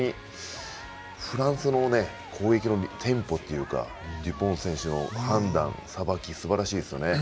フランスの攻撃のテンポというかデュポン選手の判断、さばきすばらしいですよね。